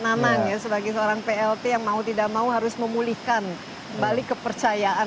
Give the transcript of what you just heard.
nanang ya sebagai seorang plt yang mau tidak mau harus memulihkan balik kepercayaan